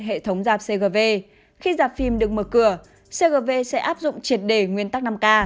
hệ thống dạp cgv khi dạp phim được mở cửa cgv sẽ áp dụng triệt đề nguyên tắc năm k